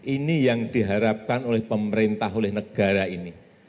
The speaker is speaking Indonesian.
ini yang diharapkan oleh pemerintah oleh negara ini